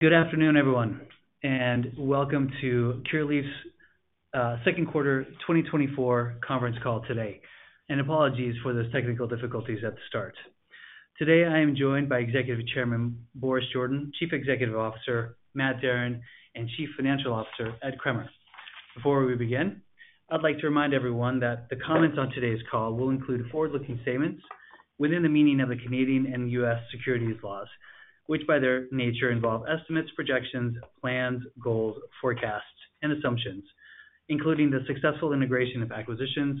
Good afternoon, everyone, and welcome to Curaleaf's Second Quarter 2024 Conference Call today. Apologies for those technical difficulties at the start. Today, I am joined by Executive Chairman Boris Jordan, Chief Executive Officer Matt Darin, and Chief Financial Officer Ed Kremer. Before we begin, I'd like to remind everyone that the comments on today's call will include forward-looking statements within the meaning of the Canadian and U.S. securities laws, which by their nature involve estimates, projections, plans, goals, forecasts, and assumptions, including the successful integration of acquisitions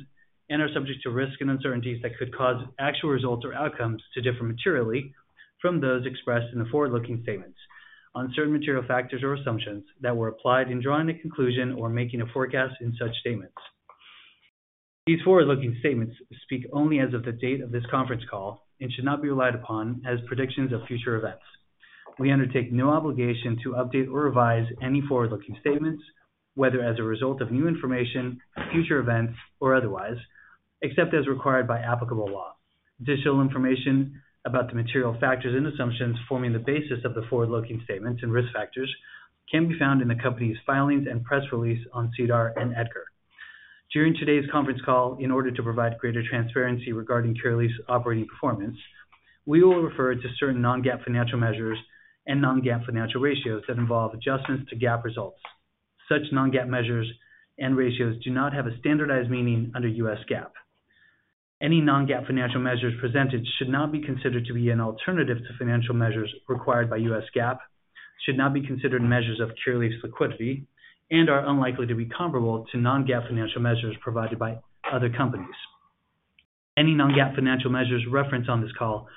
and are subject to risks and uncertainties that could cause actual results or outcomes to differ materially from those expressed in the forward-looking statements on certain material factors or assumptions that were applied in drawing a conclusion or making a forecast in such statements. These forward-looking statements speak only as of the date of this conference call and should not be relied upon as predictions of future events. We undertake no obligation to update or revise any forward-looking statements, whether as a result of new information, future events, or otherwise, except as required by applicable law. Additional information about the material factors and assumptions forming the basis of the forward-looking statements and risk factors can be found in the company's filings and press release on SEDAR and EDGAR. During today's conference call, in order to provide greater transparency regarding Curaleaf's operating performance, we will refer to certain non-GAAP financial measures and non-GAAP financial ratios that involve adjustments to GAAP results. Such non-GAAP measures and ratios do not have a standardized meaning under U.S. GAAP. Any Non-GAAP financial measures presented should not be considered to be an alternative to financial measures required by U.S. GAAP, should not be considered measures of Curaleaf's liquidity, and are unlikely to be comparable to Non-GAAP financial measures provided by other companies. Any Non-GAAP financial measures referenced on this call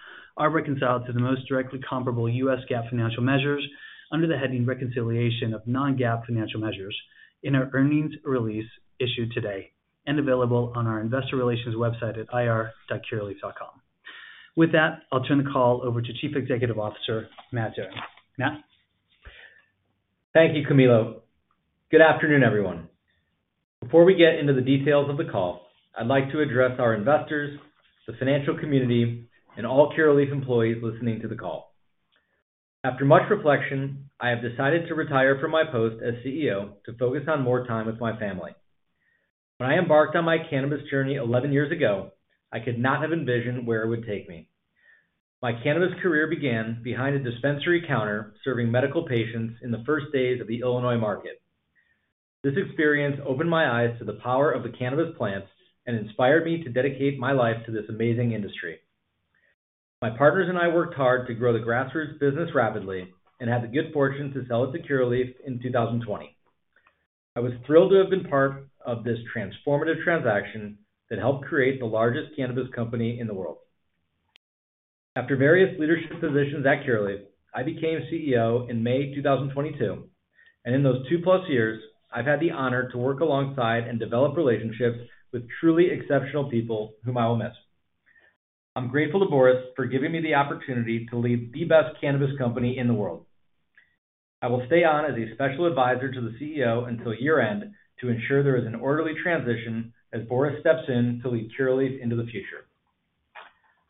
are reconciled to the most directly comparable U.S. GAAP financial measures under the heading Reconciliation of Non-GAAP Financial Measures in our earnings release issued today and available on our investor relations website at ir.curaleaf.com. With that, I'll turn the call over to Chief Executive Officer Matt Darin. Matt? Thank you, Camilo. Good afternoon, everyone. Before we get into the details of the call, I'd like to address our investors, the financial community, and all Curaleaf employees listening to the call. After much reflection, I have decided to retire from my post as CEO to focus on more time with my family. When I embarked on my cannabis journey 11 years ago, I could not have envisioned where it would take me. My cannabis career began behind a dispensary counter, serving medical patients in the first days of the Illinois market. This experience opened my eyes to the power of the cannabis plant and inspired me to dedicate my life to this amazing industry. My partners and I worked hard to grow the grassroots business rapidly and had the good fortune to sell it to Curaleaf in 2020. I was thrilled to have been part of this transformative transaction that helped create the largest cannabis company in the world. After various leadership positions at Curaleaf, I became CEO in May 2022, and in those 2+ years, I've had the honor to work alongside and develop relationships with truly exceptional people whom I will miss. I'm grateful to Boris for giving me the opportunity to lead the best cannabis company in the world. I will stay on as a special advisor to the CEO until year-end to ensure there is an orderly transition as Boris steps in to lead Curaleaf into the future.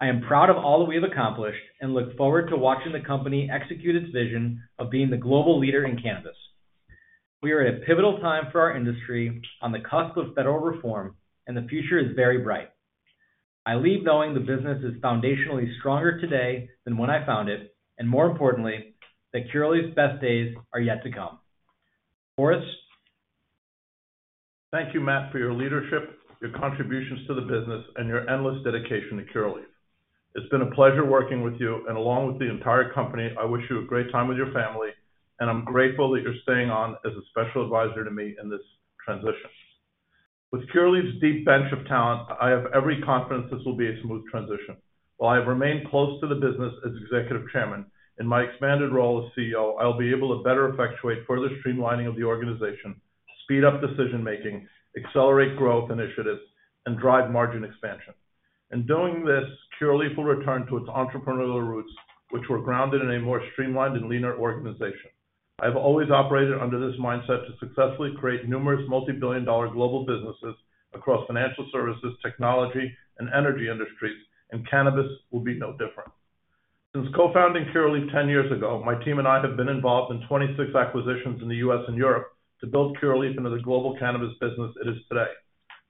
I am proud of all that we have accomplished and look forward to watching the company execute its vision of being the global leader in cannabis. We are at a pivotal time for our industry on the cusp of federal reform, and the future is very bright. I leave knowing the business is foundationally stronger today than when I found it, and more importantly, that Curaleaf's best days are yet to come. Boris? Thank you, Matt, for your leadership, your contributions to the business, and your endless dedication to Curaleaf. It's been a pleasure working with you, and along with the entire company, I wish you a great time with your family, and I'm grateful that you're staying on as a special advisor to me in this transition. With Curaleaf's deep bench of talent, I have every confidence this will be a smooth transition. While I have remained close to the business as Executive Chairman, in my expanded role as CEO, I will be able to better effectuate further streamlining of the organization, speed up decision-making, accelerate growth initiatives, and drive margin expansion. In doing this, Curaleaf will return to its entrepreneurial roots, which were grounded in a more streamlined and leaner organization. I have always operated under this mindset to successfully create numerous multi-billion dollar global businesses across financial services, technology, and energy industries, and cannabis will be no different. Since co-founding Curaleaf 10 years ago, my team and I have been involved in 26 acquisitions in the U.S. and Europe to build Curaleaf into the global cannabis business it is today.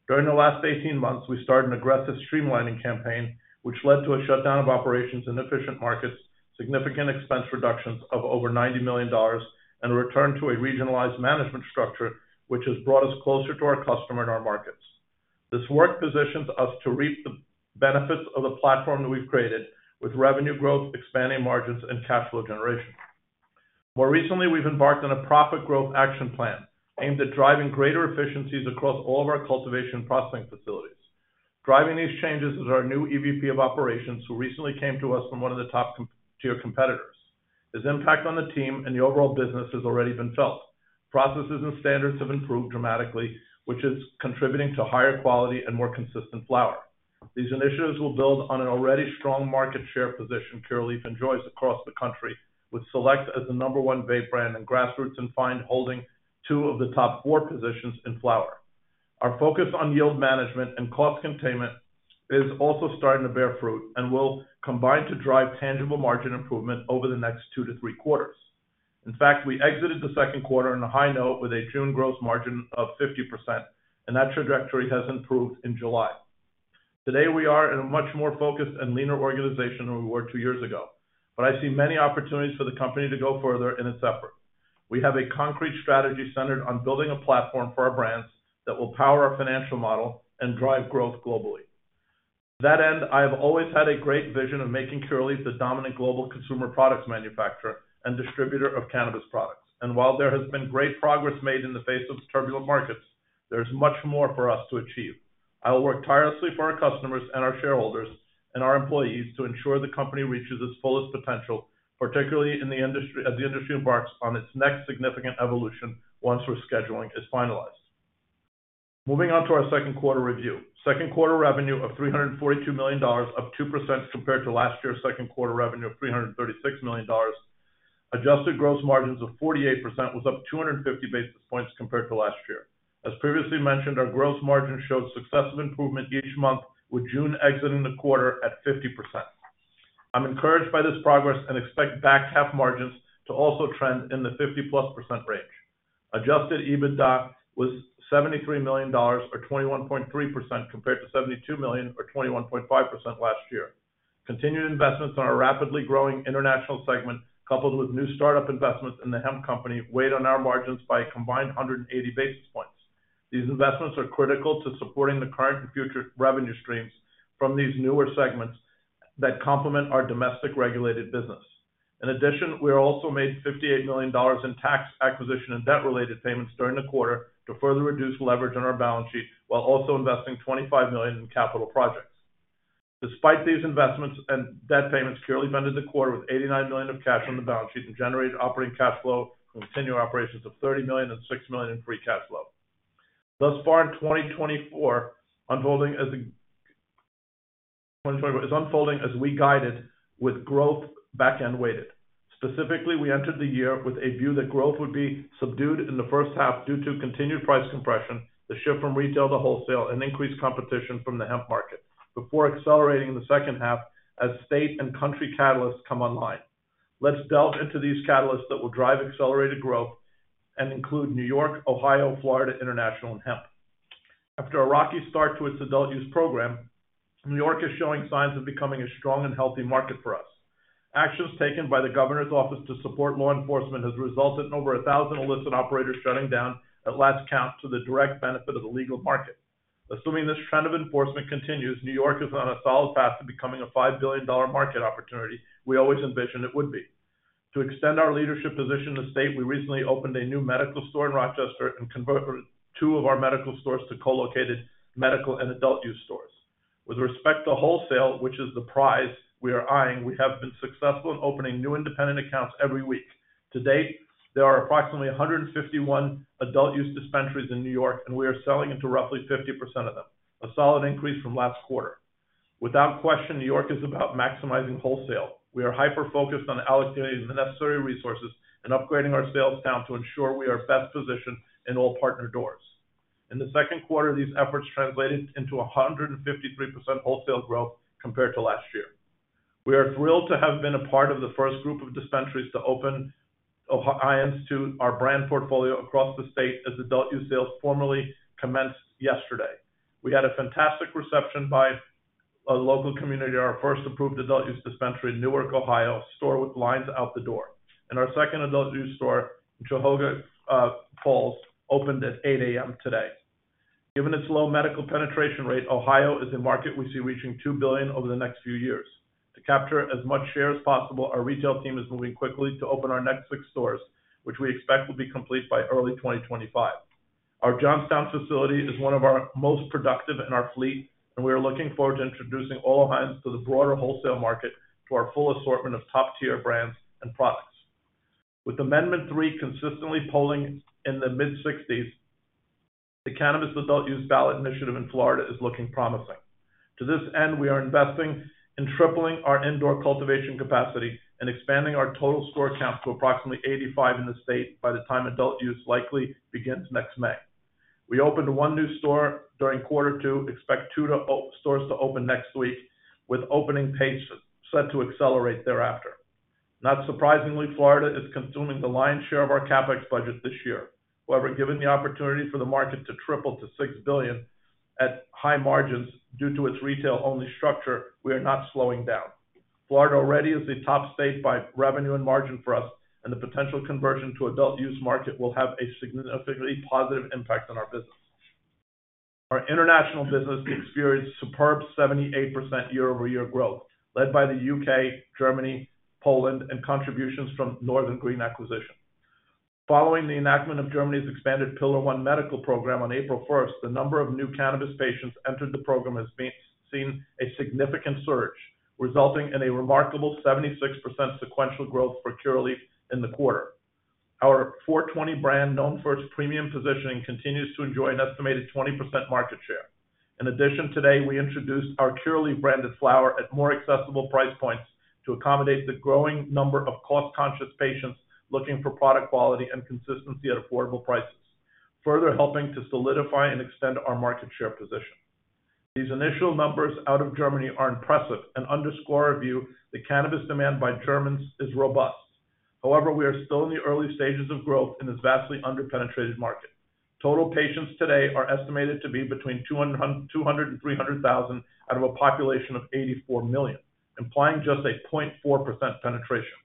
During the last 18 months, we started an aggressive streamlining campaign, which led to a shutdown of operations in inefficient markets, significant expense reductions of over $90 million, and a return to a regionalized management structure, which has brought us closer to our customer and our markets. This work positions us to reap the benefits of the platform that we've created with revenue growth, expanding margins, and cash flow generation. More recently, we've embarked on a profit growth action plan aimed at driving greater efficiencies across all of our cultivation and processing facilities. Driving these changes is our new EVP of operations, who recently came to us from one of the top tier competitors. His impact on the team and the overall business has already been felt. Processes and standards have improved dramatically, which is contributing to higher quality and more consistent flower. These initiatives will build on an already strong market share position Curaleaf enjoys across the country, with Select as the number one vape brand, and Grassroots and Find holding two of the top four positions in flower. Our focus on yield management and cost containment is also starting to bear fruit and will combine to drive tangible margin improvement over the next two to three quarters. In fact, we exited the second quarter on a high note with a June gross margin of 50%, and that trajectory has improved in July. Today, we are in a much more focused and leaner organization than we were two years ago, but I see many opportunities for the company to go further in its effort. We have a concrete strategy centered on building a platform for our brands that will power our financial model and drive growth globally. To that end, I have always had a great vision of making Curaleaf the dominant global consumer products manufacturer and distributor of cannabis products. And while there has been great progress made in the face of turbulent markets, there is much more for us to achieve. I will work tirelessly for our customers and our shareholders and our employees to ensure the company reaches its fullest potential, particularly in the industry, as the industry embarks on its next significant evolution once rescheduling is finalized. Moving on to our second quarter review. Second quarter revenue of $342 million, up 2% compared to last year's second quarter revenue of $336 million. Adjusted gross margins of 48% was up 250 basis points compared to last year. As previously mentioned, our gross margin showed successive improvement each month, with June exiting the quarter at 50%. I'm encouraged by this progress and expect back half margins to also trend in the 50%+ range. Adjusted EBITDA was $73 million, or 21.3%, compared to $72 million, or 21.5% last year. Continued investments in our rapidly growing international segment, coupled with new startup investments in the hemp company, weighed on our margins by a combined 180 basis points. These investments are critical to supporting the current and future revenue streams from these newer segments that complement our domestic regulated business. In addition, we also made $58 million in tax, acquisition, and debt-related payments during the quarter to further reduce leverage on our balance sheet, while also investing $25 million in capital projects. Despite these investments and debt payments, Curaleaf ended the quarter with $89 million of cash on the balance sheet and generated operating cash flow from continuing operations of $30 million and $6 million in free cash flow. Thus far in 2024, unfolding as we guided, with growth back-end weighted. Specifically, we entered the year with a view that growth would be subdued in the first half due to continued price compression, the shift from retail to wholesale, and increased competition from the hemp market, before accelerating in the second half as state and country catalysts come online. Let's delve into these catalysts that will drive accelerated growth and include New York, Ohio, Florida, International, and Hemp. After a rocky start to its adult use program, New York is showing signs of becoming a strong and healthy market for us. Actions taken by the governor's office to support law enforcement has resulted in over 1,000 illicit operators shutting down at last count, to the direct benefit of the legal market. Assuming this trend of enforcement continues, New York is on a solid path to becoming a $5 billion market opportunity we always envisioned it would be. To extend our leadership position in the state, we recently opened a new medical store in Rochester and converted two of our medical stores to co-located medical and adult use stores. With respect to wholesale, which is the prize we are eyeing, we have been successful in opening new independent accounts every week. To date, there are approximately 151 adult use dispensaries in New York, and we are selling into roughly 50% of them, a solid increase from last quarter. Without question, New York is about maximizing wholesale. We are hyper-focused on allocating the necessary resources and upgrading our sales talent to ensure we are best positioned in all partner doors. In the second quarter, these efforts translated into 153% wholesale growth compared to last year. We are thrilled to have been a part of the first group of dispensaries to open Ohio into our brand portfolio across the state as adult use sales formally commenced yesterday. We had a fantastic reception by a local community, our first approved adult use dispensary in Newark, Ohio, store with lines out the door, and our second adult use store in Cuyahoga Falls, opened at 8:00 A.M. today. Given its low medical penetration rate, Ohio is a market we see reaching $2 billion over the next few years. To capture as much share as possible, our retail team is moving quickly to open our next six stores, which we expect will be complete by early 2025. Our Johnstown, Ohio facility is 1 of our most productive in our fleet, and we are looking forward to introducing all lines to the broader wholesale market to our full assortment of top-tier brands and products. With Amendment 3 consistently polling in the mid-60s%, the cannabis adult-use ballot initiative in Florida is looking promising. To this end, we are investing in tripling our indoor cultivation capacity and expanding our total store count to approximately 85 in the state by the time adult use likely begins next May. We opened 1 new store during quarter 2, expect 2 to 4 stores to open next week, with opening pace set to accelerate thereafter. Not surprisingly, Florida is consuming the lion's share of our CapEx budget this year. However, given the opportunity for the market to triple to $6 billion at high margins due to its retail-only structure, we are not slowing down. Florida already is the top state by revenue and margin for us, and the potential conversion to adult use market will have a significantly positive impact on our business. Our international business experienced superb 78% year-over-year growth, led by the UK, Germany, Poland, and contributions from Northern Green acquisition. Following the enactment of Germany's expanded Pillar One medical program on April first, the number of new cannabis patients entered the program has been seen a significant surge, resulting in a remarkable 76% sequential growth for Curaleaf in the quarter. Our Four 20 brand, known for its premium positioning, continues to enjoy an estimated 20% market share.... In addition, today, we introduced our Curaleaf branded flower at more accessible price points to accommodate the growing number of cost-conscious patients looking for product quality and consistency at affordable prices, further helping to solidify and extend our market share position. These initial numbers out of Germany are impressive and underscore our view that cannabis demand by Germans is robust. However, we are still in the early stages of growth in this vastly under-penetrated market. Total patients today are estimated to be between 200 and 300 thousand out of a population of 84 million, implying just 0.4% penetration.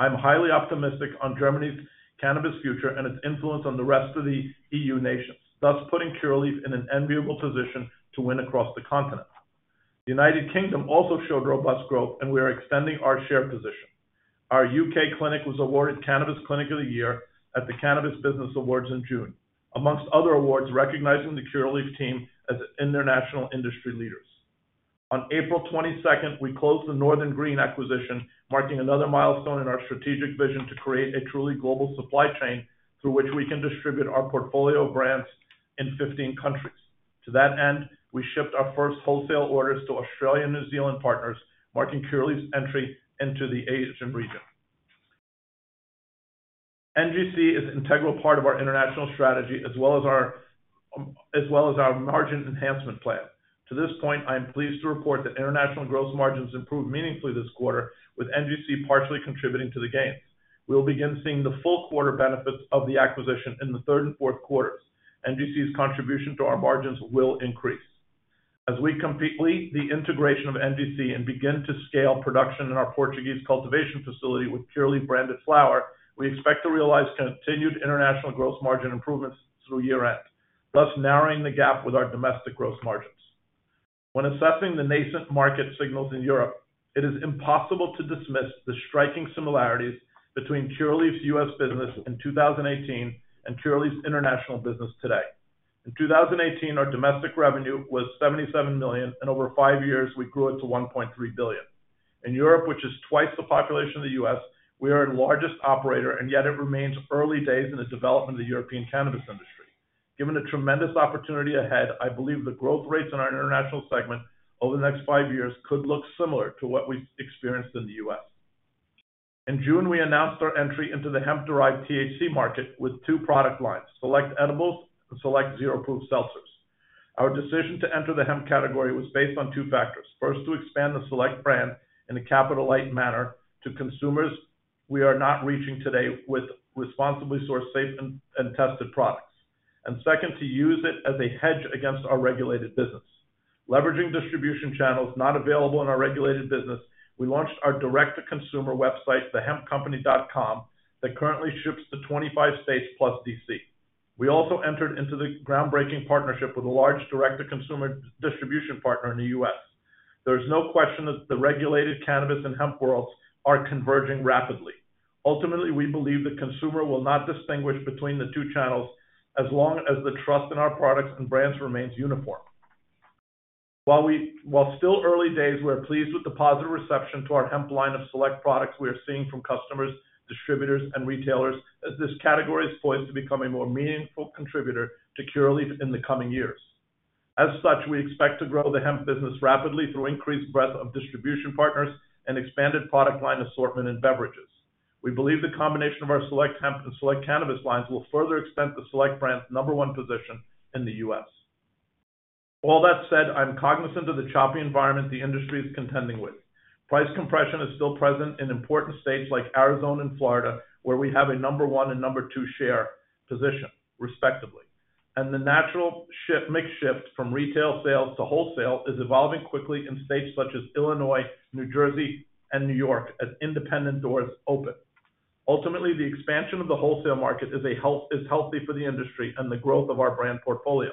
I'm highly optimistic on Germany's cannabis future and its influence on the rest of the EU nations, thus putting Curaleaf in an enviable position to win across the continent. The United Kingdom also showed robust growth, and we are extending our share position. Our UK clinic was awarded Cannabis Clinic of the Year at the Cannabis Business Awards in June, amongst other awards, recognizing the Curaleaf team as international industry leaders. On April 22nd, we closed the Northern Green acquisition, marking another milestone in our strategic vision to create a truly global supply chain through which we can distribute our portfolio of brands in 15 countries. To that end, we shipped our first wholesale orders to Australia and New Zealand partners, marking Curaleaf's entry into the Asian region. NGC is an integral part of our international strategy, as well as our margin enhancement plan. To this point, I am pleased to report that international gross margins improved meaningfully this quarter, with NGC partially contributing to the gains. We will begin seeing the full quarter benefits of the acquisition in the third and fourth quarters. NGC's contribution to our margins will increase. As we complete the integration of NGC and begin to scale production in our Portuguese cultivation facility with Curaleaf-branded flower, we expect to realize continued international gross margin improvements through year-end, thus narrowing the gap with our domestic gross margins. When assessing the nascent market signals in Europe, it is impossible to dismiss the striking similarities between Curaleaf's US business in 2018 and Curaleaf's international business today. In 2018, our domestic revenue was $77 million, and over five years, we grew it to $1.3 billion. In Europe, which is twice the population of the US, we are the largest operator, and yet it remains early days in the development of the European cannabis industry. Given the tremendous opportunity ahead, I believe the growth rates in our international segment over the next five years could look similar to what we've experienced in the US. In June, we announced our entry into the hemp-derived THC market with two product lines, Select Edibles and Select Zero Proof Seltzers. Our decision to enter the hemp category was based on two factors. First, to expand the Select brand in a capital-light manner to consumers we are not reaching today with responsibly sourced, safe, and tested products. And second, to use it as a hedge against our regulated business. Leveraging distribution channels not available in our regulated business, we launched our direct-to-consumer website, thehempcompany.com, that currently ships to 25 states plus D.C. We also entered into the groundbreaking partnership with a large direct-to-consumer distribution partner in the US. There is no question that the regulated cannabis and hemp worlds are converging rapidly. Ultimately, we believe the consumer will not distinguish between the two channels as long as the trust in our products and brands remains uniform. While still early days, we are pleased with the positive reception to our hemp line of Select products we are seeing from customers, distributors, and retailers, as this category is poised to become a more meaningful contributor to Curaleaf in the coming years. As such, we expect to grow the hemp business rapidly through increased breadth of distribution partners and expanded product line assortment and beverages. We believe the combination of our Select hemp and Select cannabis lines will further extend the Select brand's number one position in the U.S. All that said, I'm cognizant of the choppy environment the industry is contending with. Price compression is still present in important states like Arizona and Florida, where we have a number one and number two share position, respectively. The natural mix shift from retail sales to wholesale is evolving quickly in states such as Illinois, New Jersey, and New York, as independent doors open. Ultimately, the expansion of the wholesale market is healthy for the industry and the growth of our brand portfolio.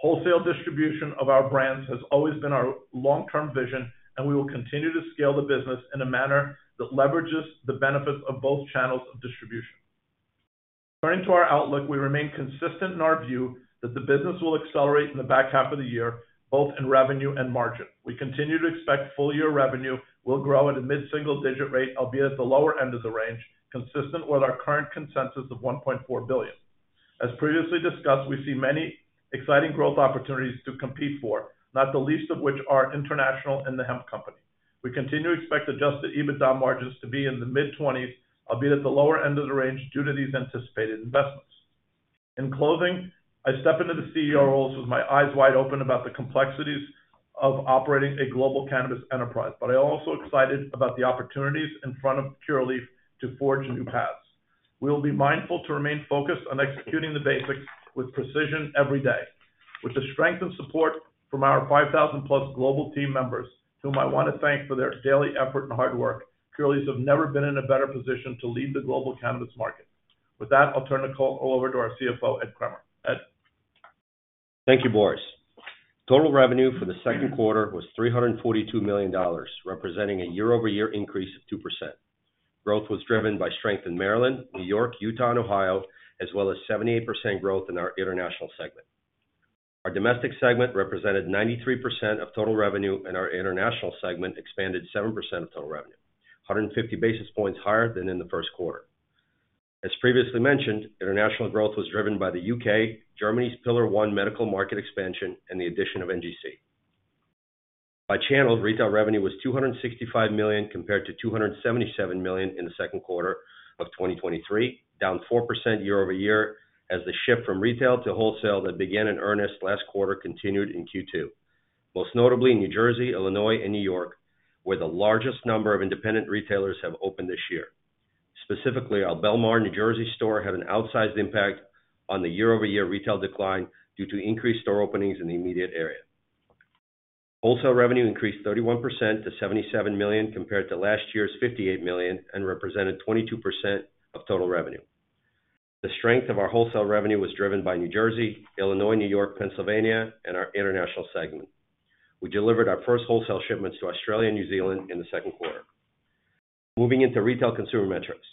Wholesale distribution of our brands has always been our long-term vision, and we will continue to scale the business in a manner that leverages the benefits of both channels of distribution. Turning to our outlook, we remain consistent in our view that the business will accelerate in the back half of the year, both in revenue and margin. We continue to expect full-year revenue will grow at a mid-single digit rate, albeit at the lower end of the range, consistent with our current consensus of $1.4 billion. As previously discussed, we see many exciting growth opportunities to compete for, not the least of which are international and The Hemp Company. We continue to expect Adjusted EBITDA margins to be in the mid-20s%, albeit at the lower end of the range due to these anticipated investments. In closing, I step into the CEO role with my eyes wide open about the complexities of operating a global cannabis enterprise, but I'm also excited about the opportunities in front of Curaleaf to forge new paths. We will be mindful to remain focused on executing the basics with precision every day. With the strength and support from our 5,000+ global team members, whom I want to thank for their daily effort and hard work, Curaleaf has never been in a better position to lead the global cannabis market. With that, I'll turn the call over to our CFO, Ed Kremer. Ed? Thank you, Boris. Total revenue for the second quarter was $342 million, representing a year-over-year increase of 2%. Growth was driven by strength in Maryland, New York, Utah, and Ohio, as well as 78% growth in our international segment. Our domestic segment represented 93% of total revenue, and our international segment expanded 7% of total revenue, 150 basis points higher than in the first quarter.... As previously mentioned, international growth was driven by the UK, Germany's Pillar One medical market expansion, and the addition of NGC. By channel, retail revenue was $265 million, compared to $277 million in the second quarter of 2023, down 4% year-over-year, as the shift from retail to wholesale that began in earnest last quarter continued in Q2. Most notably in New Jersey, Illinois, and New York, where the largest number of independent retailers have opened this year. Specifically, our Belmar, New Jersey store, had an outsized impact on the year-over-year retail decline due to increased store openings in the immediate area. Wholesale revenue increased 31% to $77 million compared to last year's $58 million, and represented 22% of total revenue. The strength of our wholesale revenue was driven by New Jersey, Illinois, New York, Pennsylvania, and our international segment. We delivered our first wholesale shipments to Australia and New Zealand in the second quarter. Moving into retail consumer metrics.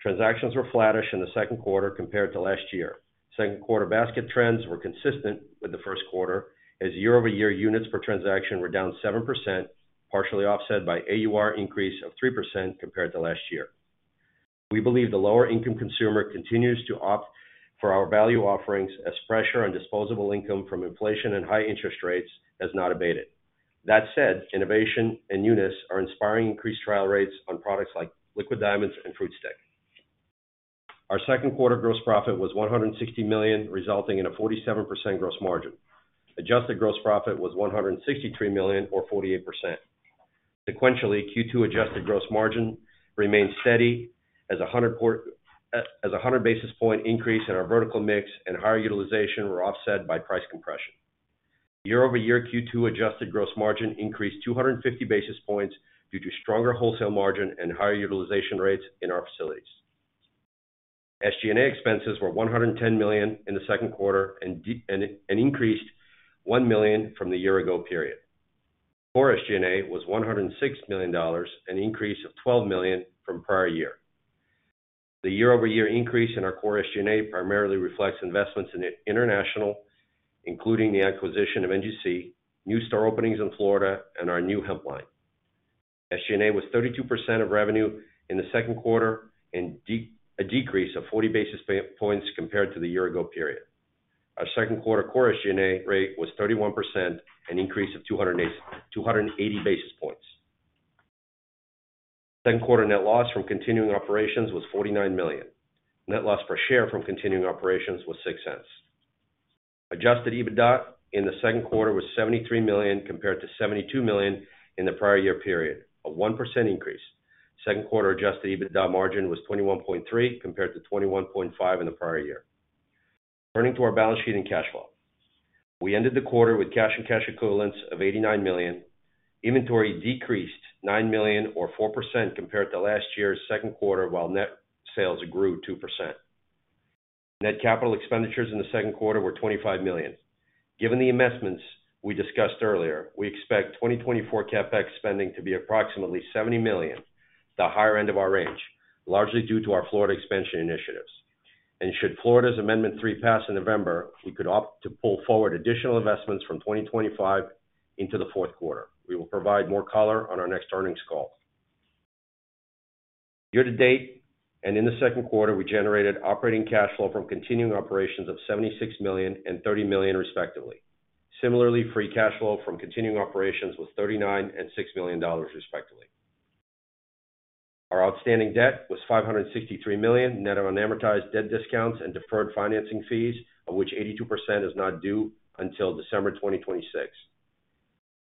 Transactions were flattish in the second quarter compared to last year. Second quarter basket trends were consistent with the first quarter, as year-over-year units per transaction were down 7%, partially offset by AUR increase of 3% compared to last year. We believe the lower-income consumer continues to opt for our value offerings as pressure on disposable income from inflation and high interest rates has not abated. That said, innovation and unit economics are inspiring increased trial rates on products like Liquid Diamonds and Briq. Our second quarter gross profit was $160 million, resulting in a 47% gross margin. Adjusted gross profit was $163 million or 48%. Sequentially, Q2 adjusted gross margin remained steady as a 100 basis point increase in our vertical mix and higher utilization were offset by price compression. Year-over-year, Q2 adjusted gross margin increased 250 basis points due to stronger wholesale margin and higher utilization rates in our facilities. SG&A expenses were $110 million in the second quarter and increased $1 million from the year-ago period. Core SG&A was $106 million, an increase of $12 million from prior year. The year-over-year increase in our core SG&A primarily reflects investments in international, including the acquisition of NGC, new store openings in Florida, and our new hemp line. SG&A was 32% of revenue in the second quarter and a decrease of 40 basis points compared to the year-ago period. Our second quarter core SG&A rate was 31%, an increase of 280 basis points. Second quarter net loss from continuing operations was $49 million. Net loss per share from continuing operations was $0.06. Adjusted EBITDA in the second quarter was $73 million, compared to $72 million in the prior year period, a 1% increase. Second quarter adjusted EBITDA margin was 21.3%, compared to 21.5% in the prior year. Turning to our balance sheet and cash flow. We ended the quarter with cash and cash equivalents of $89 million. Inventory decreased $9 million or 4% compared to last year's second quarter, while net sales grew 2%. Net capital expenditures in the second quarter were $25 million. Given the investments we discussed earlier, we expect 2024 CapEx spending to be approximately $70 million, the higher end of our range, largely due to our Florida expansion initiatives. Should Florida's Amendment 3 pass in November, we could opt to pull forward additional investments from 2025 into the fourth quarter. We will provide more color on our next earnings call. Year to date, and in the second quarter, we generated operating cash flow from continuing operations of $76 million and $30 million, respectively. Similarly, free cash flow from continuing operations was $39 million and $6 million, respectively. Our outstanding debt was $563 million, net of unamortized debt discounts and deferred financing fees, of which 82% is not due until December 2026.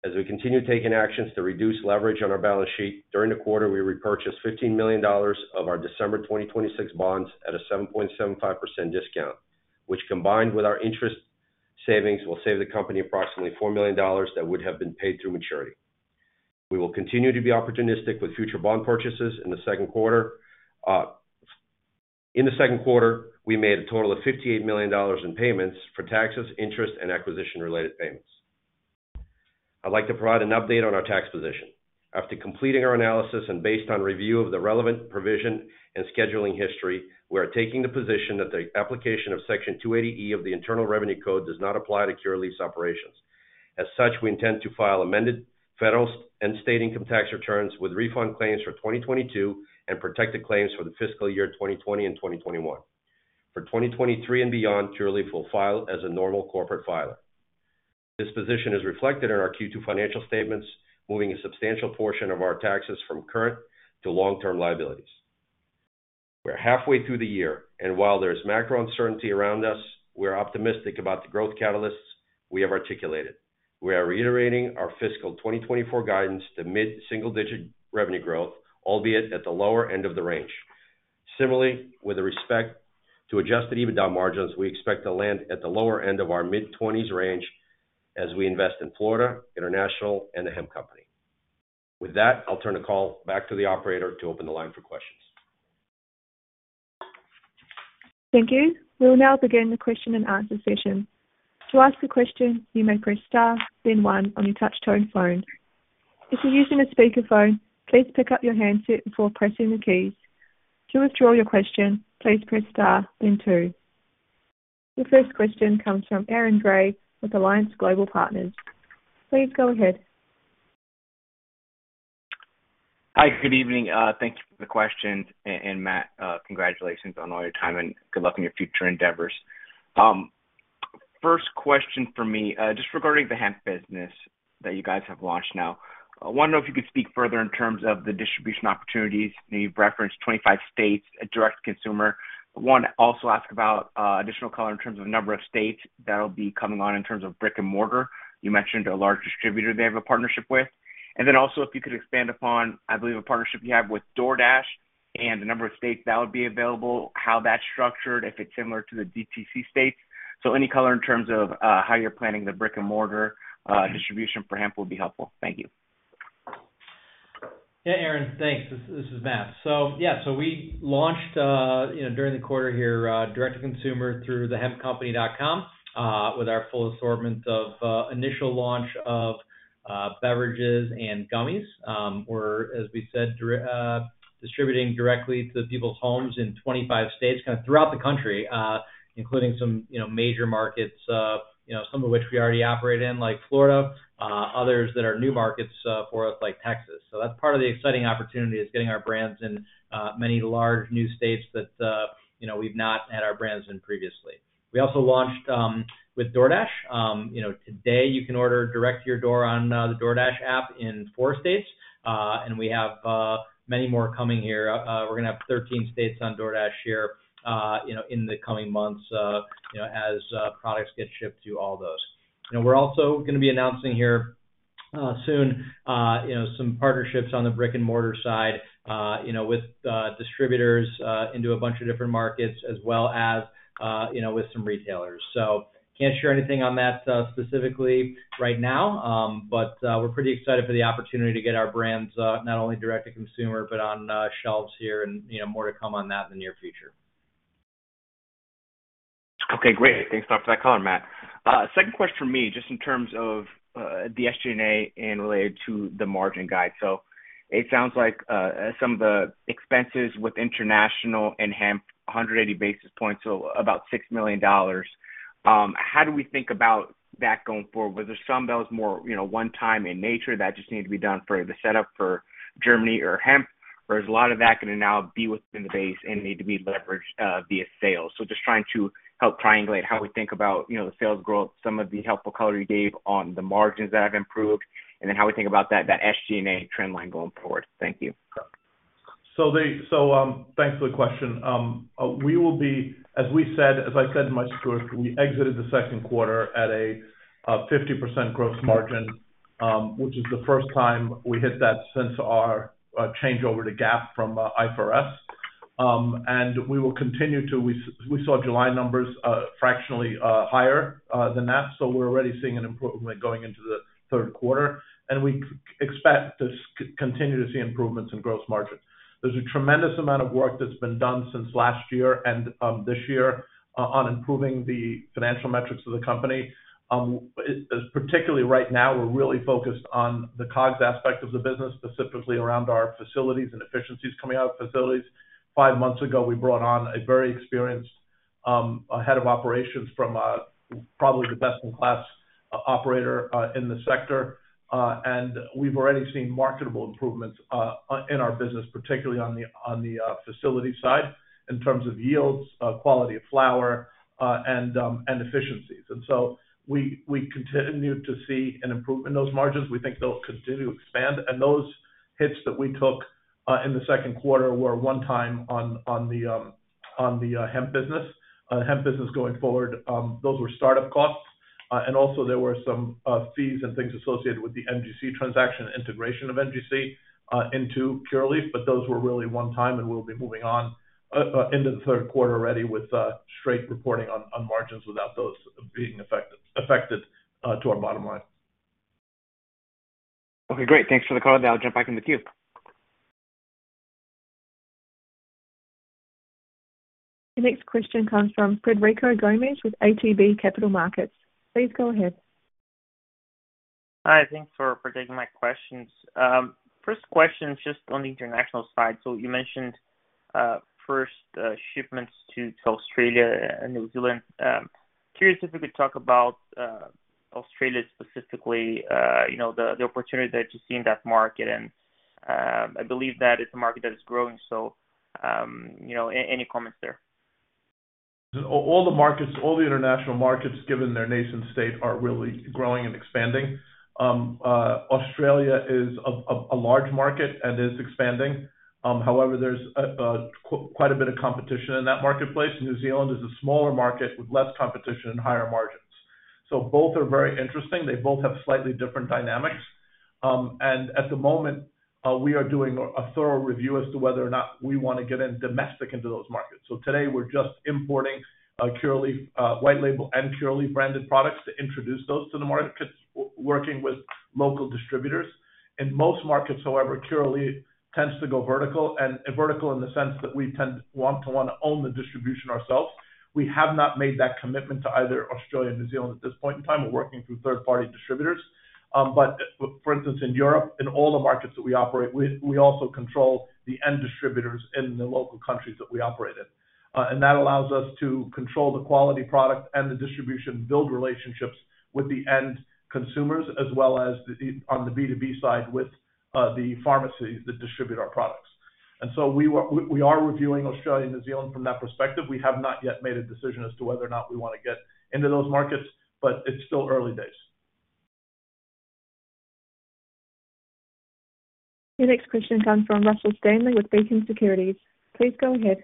As we continue taking actions to reduce leverage on our balance sheet, during the quarter, we repurchased $15 million of our December 2026 bonds at a 7.75% discount, which, combined with our interest savings, will save the company approximately $4 million that would have been paid through maturity. We will continue to be opportunistic with future bond purchases in the second quarter. In the second quarter, we made a total of $58 million in payments for taxes, interest, and acquisition-related payments. I'd like to provide an update on our tax position. After completing our analysis and based on review of the relevant provision and scheduling history, we are taking the position that the application of Section 280E of the Internal Revenue Code does not apply to Curaleaf's operations. As such, we intend to file amended federal and state income tax returns with refund claims for 2022 and protective claims for the fiscal year 2020 and 2021. For 2023 and beyond, Curaleaf will file as a normal corporate filer. This position is reflected in our Q2 financial statements, moving a substantial portion of our taxes from current to long-term liabilities. We're halfway through the year, and while there is macro uncertainty around us, we are optimistic about the growth catalysts we have articulated. We are reiterating our fiscal 2024 guidance to mid-single-digit revenue growth, albeit at the lower end of the range. Similarly, with respect to adjusted EBITDA margins, we expect to land at the lower end of our mid-20s range as we invest in Florida, International, and The Hemp Company. With that, I'll turn the call back to the operator to open the line for questions. Thank you. We'll now begin the question and answer session. To ask a question, you may press star then one on your touch-tone phone. If you're using a speakerphone, please pick up your handset before pressing the keys. To withdraw your question, please press star then two. Your first question comes from Aaron Grey with Alliance Global Partners. Please go ahead. Hi, good evening. Thank you for the questions. And Matt, congratulations on all your time, and good luck in your future endeavors. First question for me, just regarding the hemp business that you guys have launched now. I want to know if you could speak further in terms of the distribution opportunities. You've referenced 25 states, a direct consumer. I want to also ask about additional color in terms of the number of states that'll be coming on in terms of brick-and-mortar. You mentioned a large distributor they have a partnership with. And then also, if you could expand upon, I believe, a partnership you have with DoorDash and the number of states that would be available, how that's structured, if it's similar to the DTC states. Any color in terms of how you're planning the brick-and-mortar distribution for hemp would be helpful. Thank you. Yeah, Aaron, thanks. This, this is Matt. So yeah, so we launched, you know, during the quarter here, direct-to-consumer through thehempcompany.com, with our full assortment of, initial launch of, beverages and gummies. We're, as we said, distributing directly to people's homes in 25 states, kind of throughout the country, including some, you know, major markets, you know, some of which we already operate in, like Florida, others that are new markets, for us, like Texas. So that's part of the exciting opportunity, is getting our brands in, many large new states that, you know, we've not had our brands in previously. We also launched, with DoorDash. You know, today, you can order direct to your door on, the DoorDash app in 4 states, and we have, many more coming here. We're gonna have 13 states on DoorDash this year, you know, in the coming months, you know, as products get shipped to all those. You know, we're also gonna be announcing here soon, you know, some partnerships on the brick-and-mortar side, you know, with distributors into a bunch of different markets, as well as, you know, with some retailers. So can't share anything on that specifically right now, but we're pretty excited for the opportunity to get our brands not only direct-to-consumer, but on shelves here, and you know, more to come on that in the near future. Okay, great. Thanks a lot for that color, Matt. Second question for me, just in terms of the SG&A and related to the margin guide. So it sounds like some of the expenses with international and hemp, 100 basis points, so about $6 million. How do we think about that going forward? Were there some that was more, you know, one time in nature that just needed to be done for the setup for Germany or hemp, or is a lot of that going to now be within the base and need to be leveraged via sales? So just trying to help triangulate how we think about, you know, the sales growth, some of the helpful color you gave on the margins that have improved, and then how we think about that, that SG&A trend line going forward. Thank you. So, thanks for the question. We will be, as I said in my script, we exited the second quarter at a 50% gross margin, which is the first time we hit that since our changeover to GAAP from IFRS. And we will continue to. We saw July numbers fractionally higher than that, so we're already seeing an improvement going into the third quarter, and we expect to continue to see improvements in gross margin. There's a tremendous amount of work that's been done since last year and this year on improving the financial metrics of the company. Particularly right now, we're really focused on the COGS aspect of the business, specifically around our facilities and efficiencies coming out of facilities. Five months ago, we brought on a very experienced head of operations from probably the best-in-class operator in the sector. And we've already seen marketable improvements in our business, particularly on the facilities side, in terms of yields, quality of flower, and efficiencies. And so we continue to see an improvement in those margins. We think they'll continue to expand, and those hits that we took in the second quarter were one-time on the hemp business. On the hemp business going forward, those were startup costs. Also, there were some fees and things associated with the NGC transaction, integration of NGC into Curaleaf, but those were really one time, and we'll be moving on into the third quarter already with straight reporting on margins without those being affected to our bottom line. Okay, great. Thanks for the call. Now I'll jump back in the queue. The next question comes from Frederico Gomes with ATB Capital Markets. Please go ahead. Hi, thanks for taking my questions. First question is just on the international side. So you mentioned first shipments to Australia and New Zealand. Curious if you could talk about Australia specifically, you know, the opportunity that you see in that market, and I believe that it's a market that is growing, so you know, any comments there? All, all the markets, all the international markets, given their nation state, are really growing and expanding. Australia is a large market and is expanding. However, there's quite a bit of competition in that marketplace. New Zealand is a smaller market with less competition and higher margins. So both are very interesting. They both have slightly different dynamics. And at the moment, we are doing a thorough review as to whether or not we want to get in domestic into those markets. So today we're just importing Pure Leaf white label and Pure Leaf branded products to introduce those to the market, working with local distributors. In most markets, however, Pure Leaf tends to go vertical, and vertical in the sense that we tend to want to own the distribution ourselves. We have not made that commitment to either Australia or New Zealand at this point in time. We're working through third-party distributors. But, for instance, in Europe, in all the markets that we operate, we also control the end distributors in the local countries that we operate in, and that allows us to control the quality product and the distribution, build relationships with the end consumers, as well as the on the B2B side with the pharmacies that distribute our products. And so we are reviewing Australia and New Zealand from that perspective. We have not yet made a decision as to whether or not we want to get into those markets, but it's still early days. Your next question comes from Russell Stanley with Beacon Securities. Please go ahead.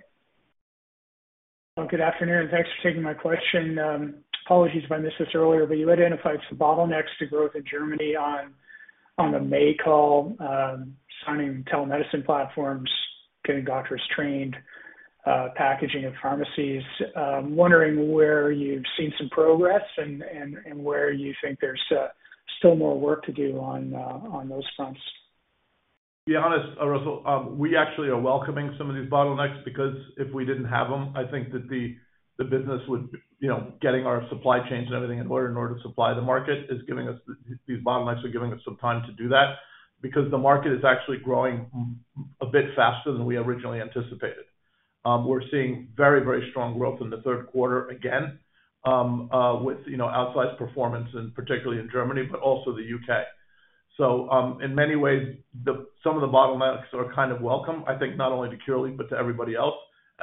Well, good afternoon, and thanks for taking my question. Apologies if I missed this earlier, but you identified some bottlenecks to growth in Germany on the May call, signing telemedicine platforms, getting doctors trained, packaging in pharmacies. Wondering where you've seen some progress and where you think there's still more work to do on those fronts. To be honest, Russell, we actually are welcoming some of these bottlenecks, because if we didn't have them, I think that the business would, you know, getting our supply chains and everything in order, in order to supply the market is giving us—these bottlenecks are giving us some time to do that because the market is actually growing a bit faster than we originally anticipated. We're seeing very, very strong growth in the third quarter, again, with, you know, outsized performance, and particularly in Germany, but also the UK. So, in many ways, some of the bottlenecks are kind of welcome, I think, not only to Curaleaf, but to everybody else,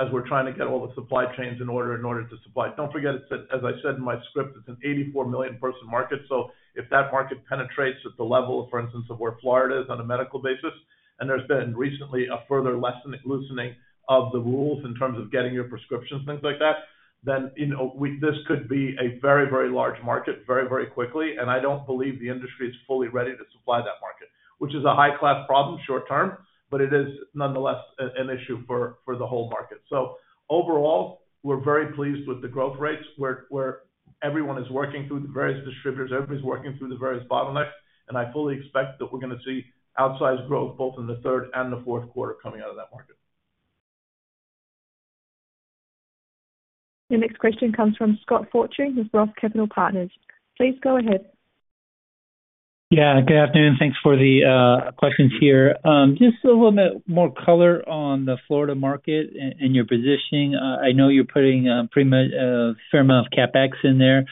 as we're trying to get all the supply chains in order, in order to supply. Don't forget, it's as I said in my script, it's an 84 million person market. So if that market penetrates at the level, for instance, of where Florida is on a medical basis, and there's been recently a further lessening, loosening of the rules in terms of getting your prescriptions, things like that, then, you know, this could be a very, very large market very, very quickly, and I don't believe the industry is fully ready to supply that market, which is a high-class problem short term, but it is nonetheless an issue for the whole market. So overall, we're very pleased with the growth rates, where everyone is working through the various distributors, everybody's working through the various bottlenecks, and I fully expect that we're gonna see outsized growth both in the third and the fourth quarter coming out of that market. Your next question comes from Scott Fortune with ROTH Capital Partners. Please go ahead. Yeah, good afternoon. Thanks for the questions here. Just a little bit more color on the Florida market and your positioning. I know you're putting pretty much a fair amount of CapEx in there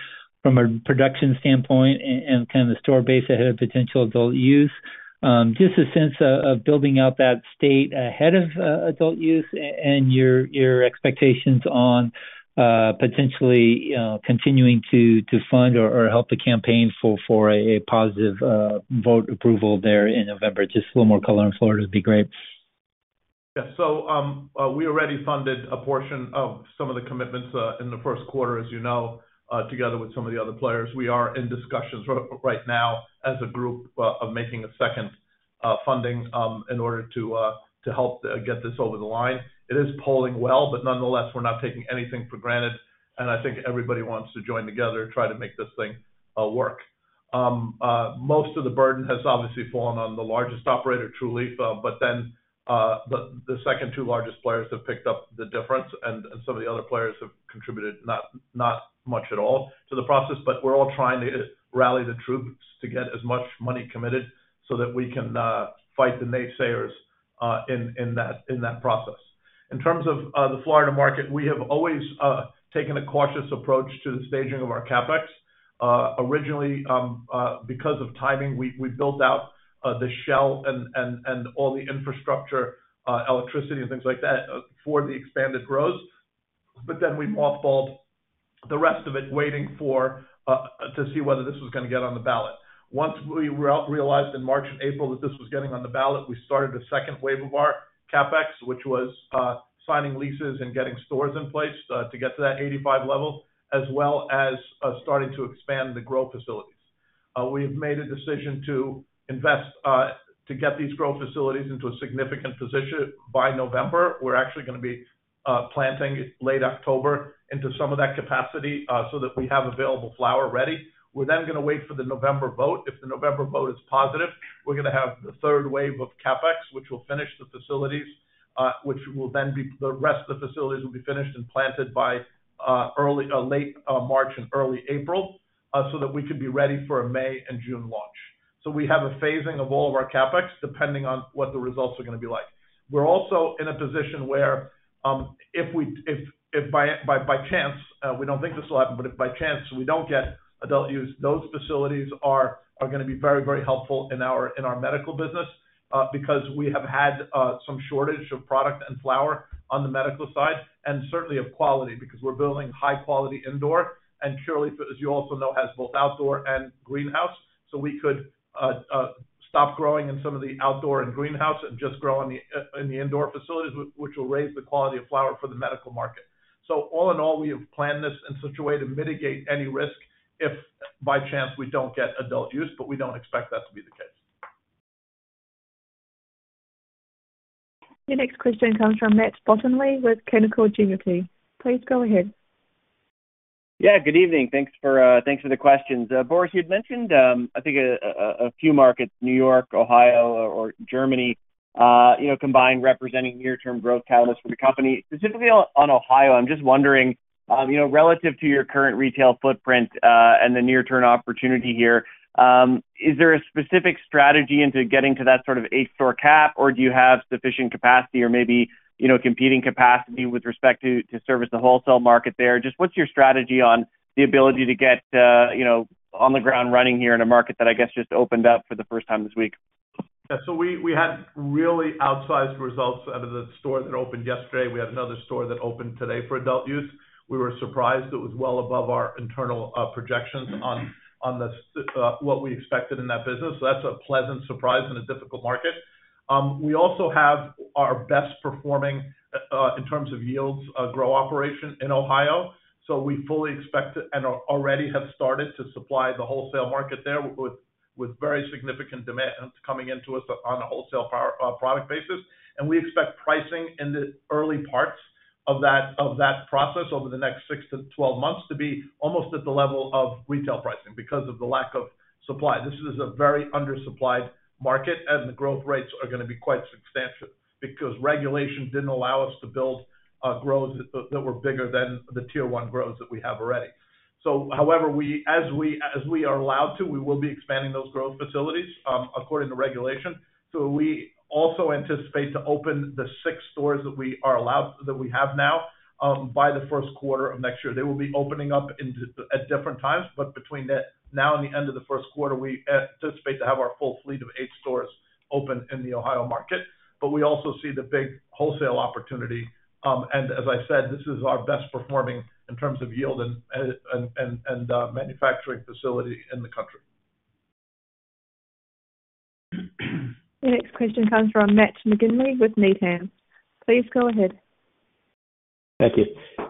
from a production standpoint and kind of the store base ahead of potential adult use. Just a sense of building out that state ahead of adult use and your expectations on potentially continuing to fund or help the campaign for a positive vote approval there in November. Just a little more color on Florida would be great. Yeah. So, we already funded a portion of some of the commitments in the first quarter, as you know, together with some of the other players. We are in discussions right now as a group of making a second funding in order to to help get this over the line. It is polling well, but nonetheless, we're not taking anything for granted, and I think everybody wants to join together to try to make this thing work. Most of the burden has obviously fallen on the largest operator, Trulieve, but then the second two largest players have picked up the difference, and some of the other players have contributed not much at all to the process, but we're all trying to rally the troops to get as much money committed so that we can fight the naysayers in that process. In terms of the Florida market, we have always taken a cautious approach to the staging of our CapEx. Originally, because of timing, we built out the shell and all the infrastructure, electricity and things like that, for the expanded grows. But then we mothballed the rest of it, waiting to see whether this was gonna get on the ballot. Once we realized in March and April that this was getting on the ballot, we started a second wave of our CapEx, which was signing leases and getting stores in place to get to that 85 level, as well as starting to expand the grow facilities. We've made a decision to invest to get these grow facilities into a significant position by November. We're actually gonna be planting late October into some of that capacity so that we have available flower ready. We're then gonna wait for the November vote. If the November vote is positive, we're gonna have the third wave of CapEx, which will finish the facilities, which will then be the rest of the facilities will be finished and planted by early, late, March and early April, so that we could be ready for a May and June launch. So we have a phasing of all of our CapEx, depending on what the results are gonna be like. We're also in a position where, if by chance we don't think this will happen, but if by chance we don't get adult-use, those facilities are gonna be very helpful in our medical business, because we have had some shortage of product and flower on the medical side, and certainly of quality, because we're building high-quality indoor, and Curaleaf, as you also know, has both outdoor and greenhouse. So we could stop growing in some of the outdoor and greenhouse and just grow in the indoor facilities, which will raise the quality of flower for the medical market. All in all, we have planned this in such a way to mitigate any risk if by chance we don't get adult use, but we don't expect that to be the case. Your next question comes from Matt Bottomley with Canaccord Genuity. Please go ahead. Yeah, good evening. Thanks for, thanks for the questions. Boris, you'd mentioned, I think a few markets, New York, Ohio or Germany, you know, combined, representing near-term growth catalysts for the company. Specifically on Ohio, I'm just wondering, you know, relative to your current retail footprint, and the near-term opportunity here, is there a specific strategy into getting to that sort of 8-store cap, or do you have sufficient capacity or maybe, you know, competing capacity with respect to service the wholesale market there? Just what's your strategy on the ability to get, you know, on the ground running here in a market that I guess just opened up for the first time this week?... Yeah, so we had really outsized results out of the store that opened yesterday. We had another store that opened today for adult use. We were surprised it was well above our internal projections on what we expected in that business. So that's a pleasant surprise in a difficult market. We also have our best performing, in terms of yields, grow operation in Ohio, so we fully expect it and already have started to supply the wholesale market there with very significant demand coming into us on a wholesale power, product basis. And we expect pricing in the early parts of that, of that process over the next 6-12 months to be almost at the level of retail pricing because of the lack of supply. This is a very undersupplied market, and the growth rates are gonna be quite substantial because regulation didn't allow us to build grows that were bigger than the Tier One Grows that we have already. So however, as we are allowed to, we will be expanding those growth facilities according to regulation. So we also anticipate to open the 6 stores that we are allowed, that we have now, by the first quarter of next year. They will be opening up at different times, but between now and the end of the first quarter, we anticipate to have our full fleet of 8 stores open in the Ohio market. But we also see the big wholesale opportunity, and as I said, this is our best performing in terms of yield and manufacturing facility in the country. The next question comes from Matt McGinley with Needham. Please go ahead. Thank you.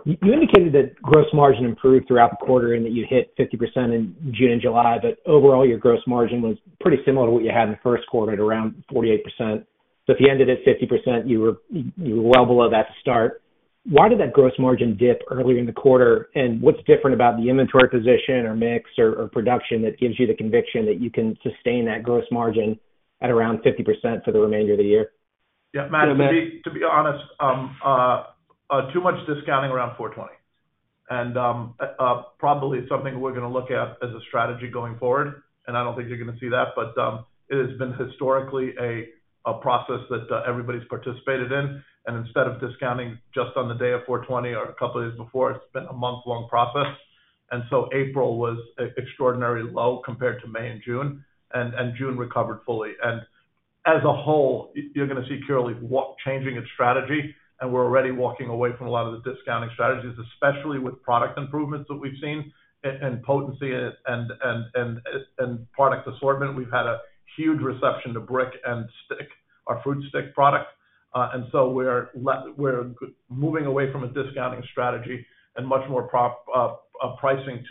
You indicated that gross margin improved throughout the quarter and that you hit 50% in June and July, but overall, your gross margin was pretty similar to what you had in the first quarter at around 48%. So if you ended at 50%, you were, you were well below that to start. Why did that gross margin dip earlier in the quarter? And what's different about the inventory position or mix or, or production that gives you the conviction that you can sustain that gross margin at around 50% for the remainder of the year? Yeah, Matt, to be honest, too much discounting around 4/20. And probably something we're gonna look at as a strategy going forward, and I don't think you're gonna see that, but it has been historically a process that everybody's participated in. And instead of discounting just on the day of 4/20 or a couple of days before, it's been a month-long process. And so April was extraordinary low compared to May and June, and June recovered fully. And as a whole, you're gonna see Curaleaf changing its strategy, and we're already walking away from a lot of the discounting strategies, especially with product improvements that we've seen and potency and product assortment. We've had a huge reception to Briq and Stiq, our Fruit Stiq product. So we're moving away from a discounting strategy and much more pricing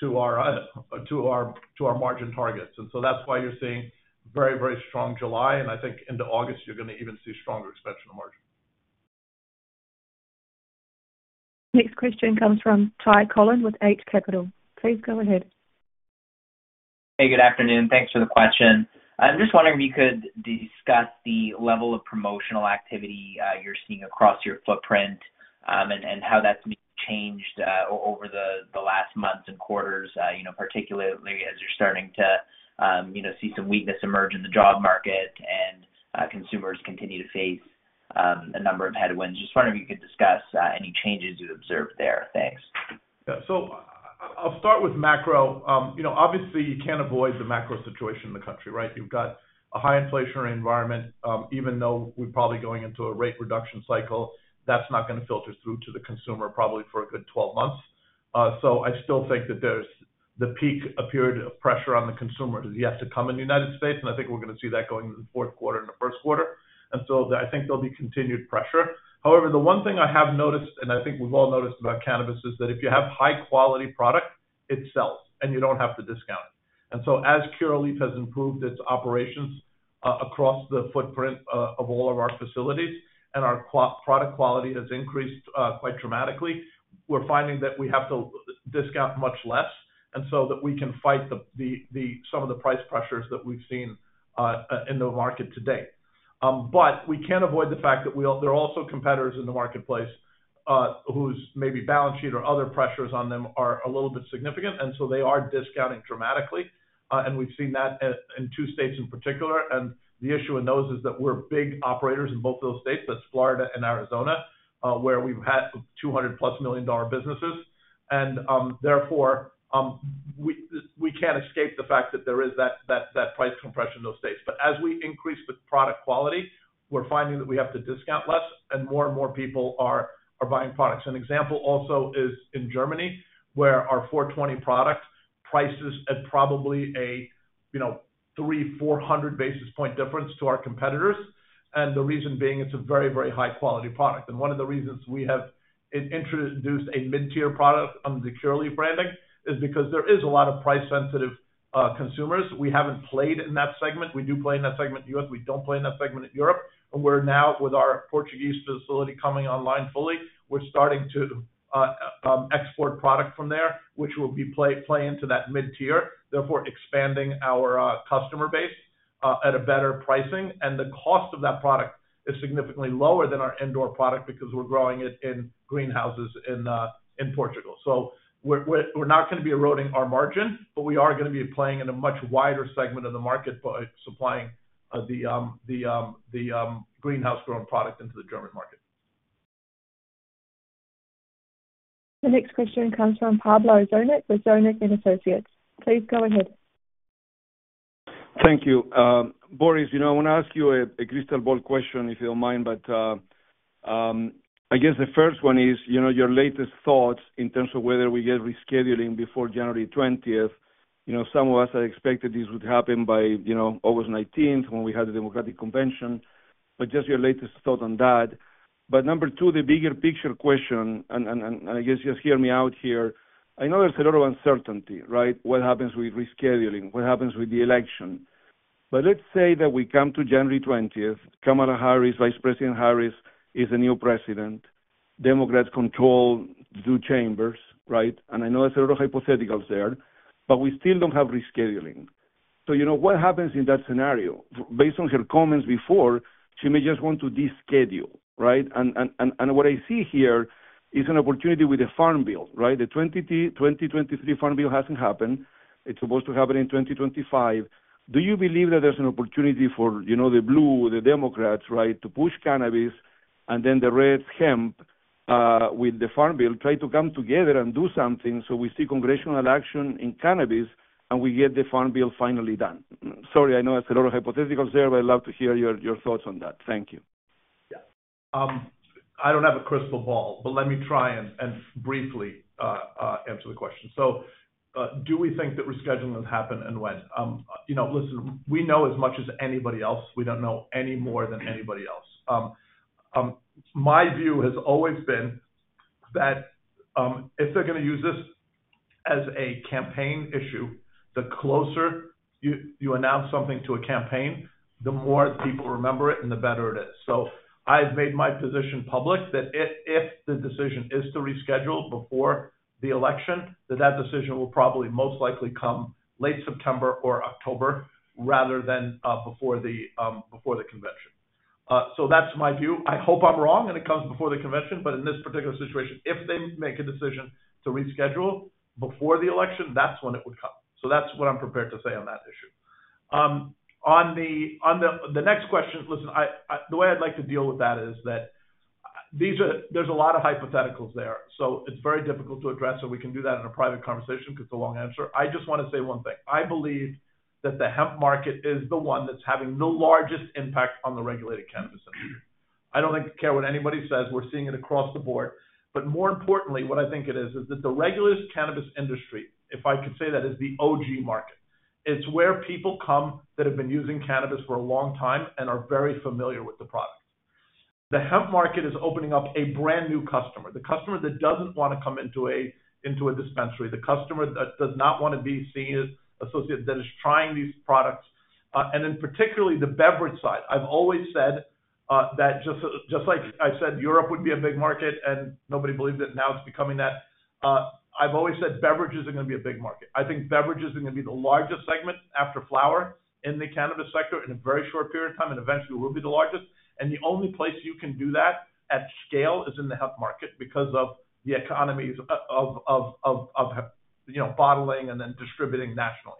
to our margin targets. So that's why you're seeing very, very strong July, and I think into August, you're gonna even see stronger expansion of margin. Next question comes from Ty Collin with Eight Capital. Please go ahead. Hey, good afternoon. Thanks for the question. I'm just wondering if you could discuss the level of promotional activity you're seeing across your footprint, and how that's maybe changed over the last months and quarters, you know, particularly as you're starting to see some weakness emerge in the job market and consumers continue to face a number of headwinds. Just wondering if you could discuss any changes you've observed there. Thanks. Yeah. So I'll start with macro. You know, obviously, you can't avoid the macro situation in the country, right? You've got a high inflationary environment, even though we're probably going into a rate reduction cycle, that's not gonna filter through to the consumer probably for a good 12 months. So I still think that there's the peak, a period of pressure on the consumer that is yet to come in the United States, and I think we're gonna see that going into the fourth quarter and the first quarter. And so I think there'll be continued pressure. However, the one thing I have noticed, and I think we've all noticed about cannabis, is that if you have high-quality product, it sells, and you don't have to discount it. And so as Curaleaf has improved its operations across the footprint of all of our facilities and our product quality has increased quite dramatically, we're finding that we have to discount much less, and so that we can fight some of the price pressures that we've seen in the market to date. But we can't avoid the fact that there are also competitors in the marketplace whose maybe balance sheet or other pressures on them are a little bit significant, and so they are discounting dramatically. And we've seen that in two states in particular, and the issue in those is that we're big operators in both those states, that's Florida and Arizona, where we've had $200+ million-dollar businesses. Therefore, we can't escape the fact that there is that price compression in those states. But as we increase the product quality, we're finding that we have to discount less, and more and more people are buying products. An example also is in Germany, where our Four Twenty product prices at probably a, you know, 300-400 basis points difference to our competitors, and the reason being it's a very, very high-quality product. And one of the reasons we have introduced a mid-tier product under the Curaleaf branding is because there is a lot of price-sensitive consumers. We haven't played in that segment. We do play in that segment in the U.S., we don't play in that segment in Europe. We're now, with our Portuguese facility coming online fully, starting to export product from there, which will play into that mid-tier, therefore expanding our customer base at a better pricing. The cost of that product is significantly lower than our indoor product because we're growing it in greenhouses in Portugal. We're not gonna be eroding our margin, but we are gonna be playing in a much wider segment of the market by supplying the greenhouse-grown product into the German market. The next question comes from Pablo Zuanic with Zuanic & Associates. Please go ahead. Thank you. Boris, you know, I want to ask you a crystal ball question, if you don't mind. But I guess the first one is, you know, your latest thoughts in terms of whether we get rescheduling before January twentieth. You know, some of us had expected this would happen by, you know, August nineteenth, when we had the Democratic Convention, but just your latest thought on that. But number two, the bigger picture question, I guess just hear me out here. I know there's a lot of uncertainty, right? What happens with rescheduling? What happens with the election? But let's say that we come to January twentieth, Kamala Harris, Vice President Harris, is the new president. Democrats control two chambers, right? And I know it's a lot of hypotheticals there, but we still don't have rescheduling. So, you know, what happens in that scenario? Based on her comments before, she may just want to deschedule, right? And what I see here is an opportunity with the Farm Bill, right? The 2023 Farm Bill hasn't happened. It's supposed to happen in 2025. Do you believe that there's an opportunity for, you know, the blue, the Democrats, right, to push cannabis and then the red hemp with the Farm Bill, try to come together and do something so we see congressional action in cannabis, and we get the Farm Bill finally done? Sorry, I know it's a lot of hypotheticals there, but I'd love to hear your thoughts on that. Thank you. Yeah. I don't have a crystal ball, but let me try and briefly answer the question. So, do we think that rescheduling will happen, and when? You know, listen, we know as much as anybody else. We don't know any more than anybody else. My view has always been that, if they're gonna use this as a campaign issue, the closer you announce something to a campaign, the more people remember it and the better it is. So I've made my position public that if the decision is to reschedule before the election, that decision will probably most likely come late September or October, rather than before the before the convention. So that's my view. I hope I'm wrong, and it comes before the convention. But in this particular situation, if they make a decision to reschedule before the election, that's when it would come. So that's what I'm prepared to say on that issue. On the next question, listen, I, the way I'd like to deal with that is that these are, there's a lot of hypotheticals there, so it's very difficult to address, so we can do that in a private conversation because it's a long answer. I just wanna say one thing. I believe that the hemp market is the one that's having the largest impact on the regulated cannabis industry. I don't care what anybody says, we're seeing it across the board. But more importantly, what I think it is, is that the regulated cannabis industry, if I could say that, is the OG market. It's where people come that have been using cannabis for a long time and are very familiar with the product. The hemp market is opening up a brand-new customer, the customer that doesn't want to come into a, into a dispensary, the customer that does not want to be seen, associated, that is trying these products. And in particularly the beverage side, I've always said, that just, just like I said Europe would be a big market and nobody believed it, now it's becoming that. I've always said beverages are gonna be a big market. I think beverages are gonna be the largest segment, after flower, in the cannabis sector in a very short period of time, and eventually will be the largest. And the only place you can do that at scale is in the hemp market because of the economies of, you know, bottling and then distributing nationally.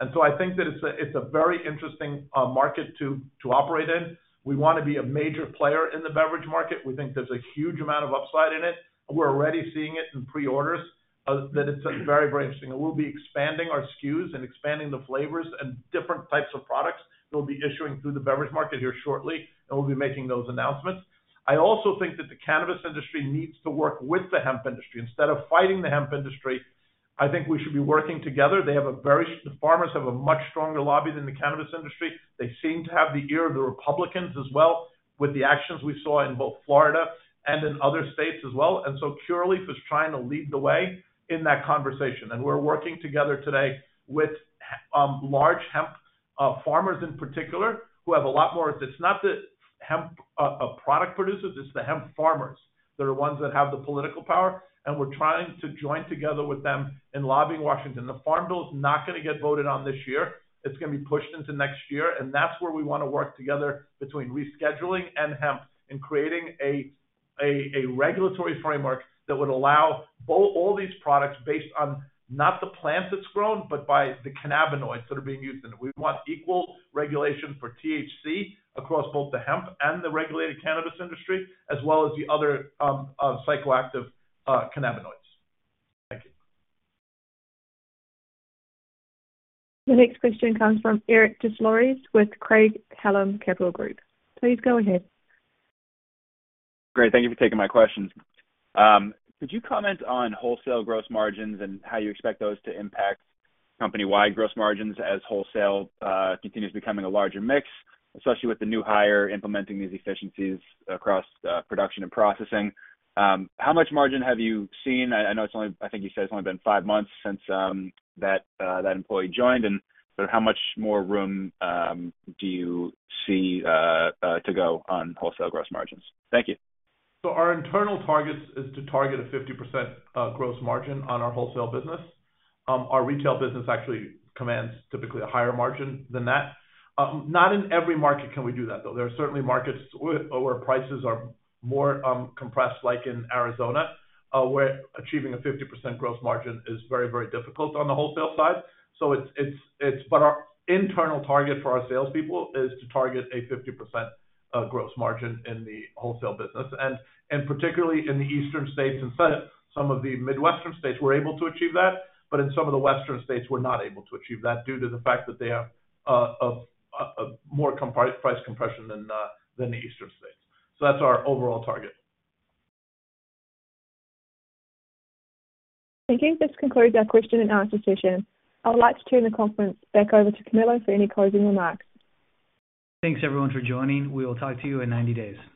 And so I think that it's a, it's a very interesting market to, to operate in. We want to be a major player in the beverage market. We think there's a huge amount of upside in it. We're already seeing it in pre-orders that it's very, very interesting, and we'll be expanding our SKUs and expanding the flavors and different types of products that we'll be issuing through the beverage market here shortly, and we'll be making those announcements. I also think that the cannabis industry needs to work with the hemp industry. Instead of fighting the hemp industry, I think we should be working together. The farmers have a much stronger lobby than the cannabis industry. They seem to have the ear of the Republicans as well, with the actions we saw in both Florida and in other states as well. And so Curaleaf is trying to lead the way in that conversation, and we're working together today with large hemp product producers. It's the hemp farmers. They're the ones that have the political power, and we're trying to join together with them in lobbying Washington. The Farm Bill is not gonna get voted on this year. It's gonna be pushed into next year, and that's where we want to work together between rescheduling and hemp and creating a regulatory framework that would allow all these products based on not the plant that's grown, but by the cannabinoids that are being used in it. We want equal regulation for THC across both the hemp and the regulated cannabis industry, as well as the other psychoactive cannabinoids. Thank you. The next question comes from Eric Deslauriers with Craig-Hallum Capital Group. Please go ahead. Great. Thank you for taking my questions. Could you comment on wholesale gross margins and how you expect those to impact company-wide gross margins as wholesale continues becoming a larger mix, especially with the new hire implementing these efficiencies across production and processing? How much margin have you seen? I know it's only—I think you said it's only been 5 months since that employee joined, and sort of how much more room do you see to go on wholesale gross margins? Thank you. So our internal target is to target a 50% gross margin on our wholesale business. Our retail business actually commands typically a higher margin than that. Not in every market can we do that, though. There are certainly markets where prices are more compressed, like in Arizona, where achieving a 50% gross margin is very, very difficult on the wholesale side. So it's but our internal target for our salespeople is to target a 50% gross margin in the wholesale business. And particularly in the eastern states and some of the Midwestern states, we're able to achieve that, but in some of the western states, we're not able to achieve that due to the fact that they have a more price compression than the eastern states. So that's our overall target. I think this concludes our question and answer session. I would like to turn the conference back over to Camilo for any closing remarks. Thanks, everyone, for joining. We will talk to you in 90 days.